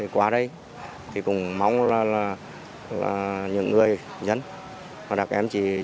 qua đây thì cũng mong là những người